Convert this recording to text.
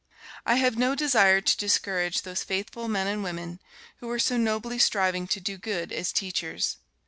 I have no desire to discourage those faithful men and women who are so nobly striving to do good as teachers.